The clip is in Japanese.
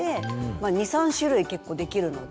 ２３種類結構できるので。